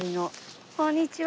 こんにちは。